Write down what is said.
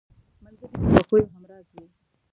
ملګری د خوښیو همراز وي